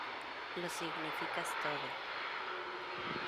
lo significas todo.